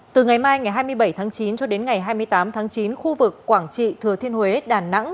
từ ngày mai ngày hai mươi bảy tháng chín cho đến ngày hai mươi tám tháng chín khu vực quảng trị thừa thiên huế đà nẵng